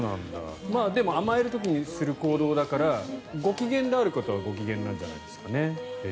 でも甘える時にする行動だからご機嫌であることはご機嫌なんじゃないですかね。